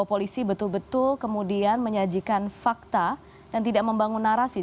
polisi betul betul kemudian menyajikan fakta dan tidak membangun narasi